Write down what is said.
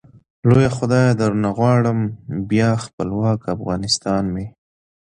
لويه خدايه درنه غواړم ، بيا خپلوک افغانستان مي